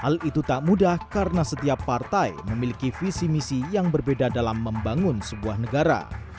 tidak mudah karena setiap partai memiliki visi misi yang berbeda dalam membangun sebuah negara